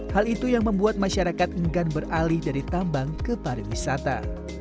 hal itu yang membuat masyarakat enggan beralih dari tambang ke pariwisata